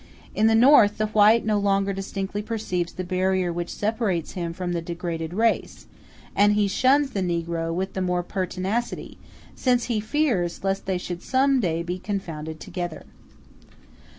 In the North the white no longer distinctly perceives the barrier which separates him from the degraded race, and he shuns the negro with the more pertinacity, since he fears lest they should some day be confounded together.